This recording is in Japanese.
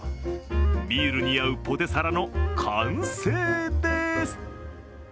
ビールに合うポテサラの完成です。